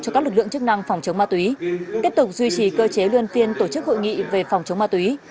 cho các lực lượng chức năng phòng chống ma túy tiếp tục duy trì cơ chế luân phiên tổ chức hội nghị về phòng chống ma túy